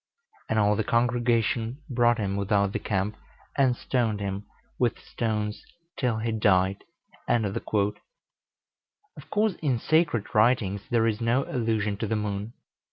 And all the congregation brought him without the camp, and stoned him with stones till he died." Of course, in the sacred writings there is no allusion to the moon.